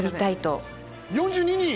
４２人！